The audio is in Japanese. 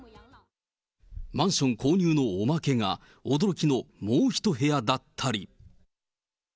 マンション購入のおまけが、驚きのもう１部屋だったり。